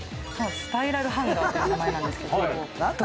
スパイラルハンガーという名前なんですが。